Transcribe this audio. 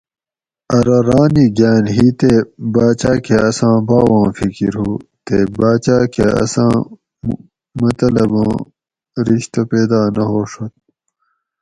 ارو رانی گھاۤن ہی تے باۤچاۤ کہ اساں باواں فکر ہُو تے باچاۤ کہ اساں مطلباں رشتہ پیدا نہ ہوڛت